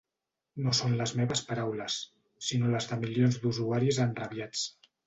No són les meves paraules, sinó les de milions d'usuaris enrabiats.